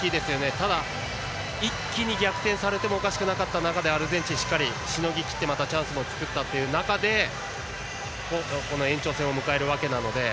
ただ、一気に逆転されてもおかしくなかった中でアルゼンチンがしっかりしのいでチャンスを作った中でこの延長戦を迎えるので。